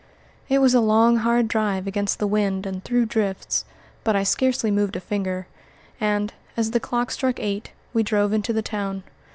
It was a long, hard drive against the wind and through drifts, but I scarcely moved a finger, and, as the clock struck eight, we drove into the town.